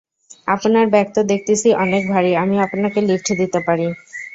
আপনার ব্যাগ তো দেখতেছি অনেক ভারী আমি আপনাকে লিফট দিতে পারি।